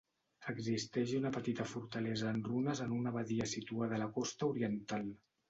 Existeix una petita fortalesa en runes en una badia situada a la costa oriental.